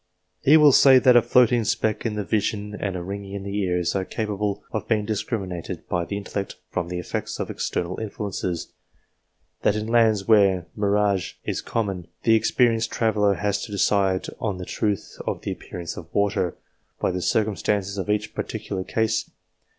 He will say that a floating speck in the vision, and a ringing in the ears, are capable of being discriminated by the intellect from the effects of external influences ; that in lands where mirage is common, the expe rienced traveller has to decide on the truth of the appear ance of water, by the circumstances of each particular case.